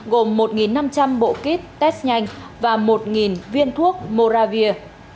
gồm một năm trăm linh bộ kit test nhanh và một viên thuốc moravia bốn trăm linh